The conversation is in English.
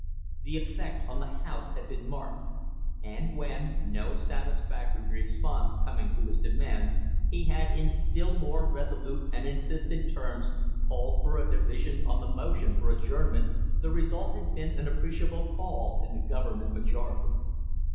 The effect on the House had been marked; and when, no satisfactory response coming to his demand, he had in still more resolute and insistent terms called for a division on the motion for adjournment, the result had been an appreciable fall in the government majority.